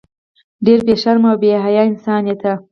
ډیر بی شرمه او بی حیا انسان یی ته